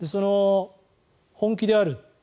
本気である。